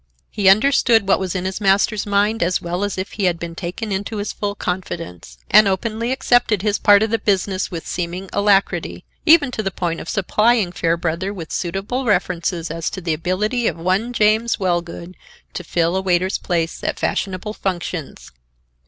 He understood what was in his master's mind, as well as if he had been taken into his full confidence, and openly accepted his part of the business with seeming alacrity, even to the point of supplying Fairbrother with suitable references as to the ability of one James Wellgood to fill a waiter's place at fashionable functions.